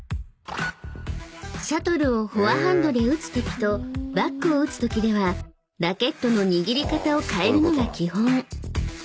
［シャトルをフォアハンドで打つときとバックを打つときではラケットの握り方を変えるのが基本］